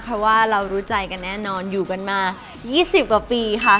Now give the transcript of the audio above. เพราะว่าเรารู้ใจกันแน่นอนอยู่กันมา๒๐กว่าปีค่ะ